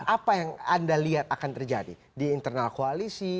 apa yang anda lihat akan terjadi di internal koalisi